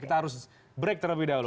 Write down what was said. kita harus break terlebih dahulu